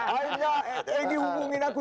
akhirnya egy hubungin aku